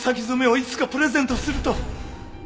染めをいつかプレゼントすると。